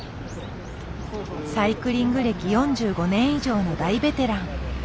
サイクリング歴４５年以上の大ベテラン。